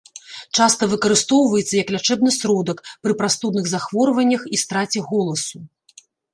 Часта выкарыстоўваецца як лячэбны сродак пры прастудных захворваннях і страце голасу.